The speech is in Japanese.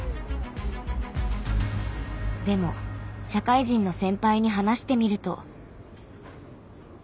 でも社会人の先輩に話してみると。